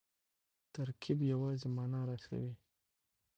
ترکیب یوازي مانا رسوي.